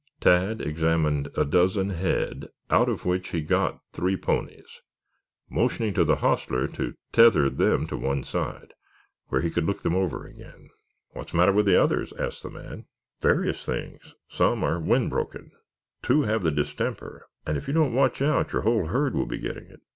Tad examined a dozen head, out of which he got three ponies, motioning to the hostler to tether them to one side where he could look them over again. "What's the matter with the others?" asked the man. "Various things. Some are wind broken, two have the distemper, and if you don't watch out your whole herd will be getting it.